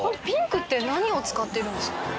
ピンクって何を使ってるんですか？